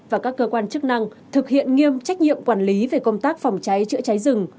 và các cơ quan chức năng thực hiện nghiêm trách nhiệm quản lý về công tác phòng cháy chữa cháy rừng